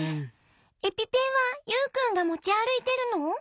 エピペンはユウくんがもちあるいてるの？